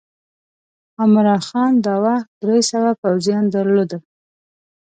عمرا خان دا وخت درې سوه پوځیان درلودل.